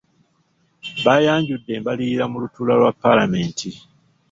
Baayanjudd embalirira mu lutuula lwa palamenti.